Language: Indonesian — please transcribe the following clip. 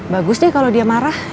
bagus deh kalau dia marah